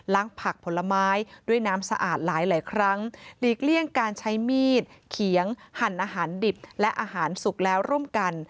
ผักผลไม้ด้วยน้ำสะอาดหลายครั้งหลีกเลี่ยงการใช้มีดเขียงหั่นอาหารดิบและอาหารสุกแล้วร่วมกัน